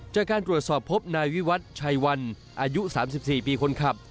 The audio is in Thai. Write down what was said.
จากการตรวจสอบพบนายวิวัตรชัยวันอายุ๓๔ปีคนขับ